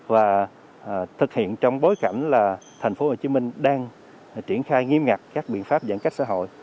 và thực hiện trong bối cảnh là thành phố hồ chí minh đang triển khai nghiêm ngặt các biện pháp giãn cách xã hội